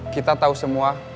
kita tahu semua